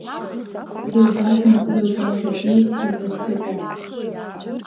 Дылбазма, дылбазу ииасхьоу акрызхыҵуа…